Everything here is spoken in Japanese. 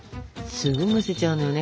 すぐ蒸せちゃうのよね。